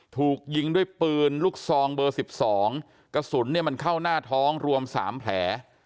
ถูกยิงด้วยปืนลูกซองเบอร์๑๒กระสุนเนี่ยมันเข้าหน้าท้องรวม๓แผล